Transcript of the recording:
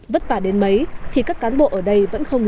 vất vả đến mấy thì các cán bộ ở đây vẫn không biết